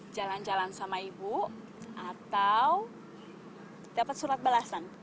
jalan jalan sama ibu atau dapat surat balasan